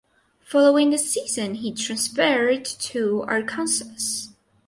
Following the season he transferred to Arkansas.